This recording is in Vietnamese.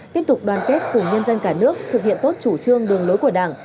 tiếp tục đoàn kết cùng nhân dân cả nước thực hiện tốt chủ trương đường lối của đảng